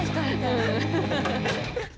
うん。